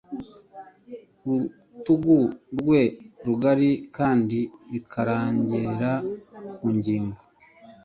Ku rutugu rwe rugari kandi bikarangirira ku ngingo